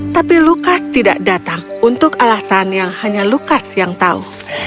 tapi lukas tidak datang untuk alasan yang hanya lukas yang tahu